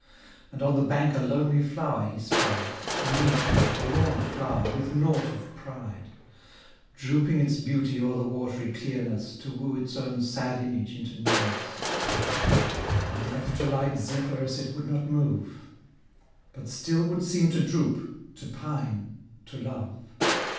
And on the bank a lonely flower he spied, A meek and forlorn flower, with naught of pride, Drooping its beauty o'er the watery clearness, To woo its own sad image into nearness: Deaf to light Zephyrus it would not move; But still would seem to droop, to pine, to love.